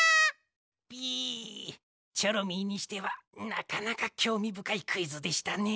ピイチョロミーにしてはなかなかきょうみぶかいクイズでしたね。